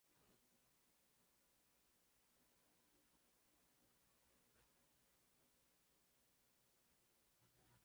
wawakilishi kutoka makoloni yote walitangaza uhuru wa Muungano